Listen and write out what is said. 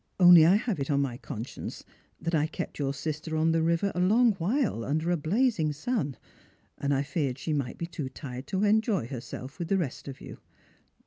" Only I have it on my conscience that I kept your sister on the river a long while under a blazing sun, and I feared she might be too tired to enjoy herself with the rest of you.